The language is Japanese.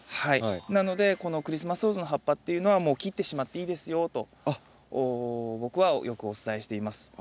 なのでこのクリスマスローズの葉っぱっていうのはもう切ってしまっていいですよと僕はよくお伝えしています。